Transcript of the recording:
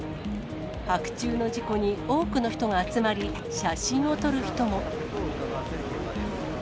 白昼の事故に多くの人が集まり、写真を撮る人も。